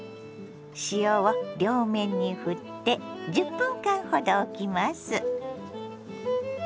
塩を両面にふって１０分間ほどおきます。